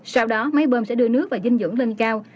sau đó máy bơm sẽ đưa nước và dinh dưỡng lên cao